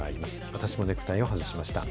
私もネクタイを外しました。